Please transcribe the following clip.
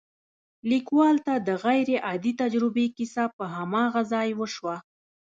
ليکوال ته د غير عادي تجربې کيسه په هماغه ځای وشوه.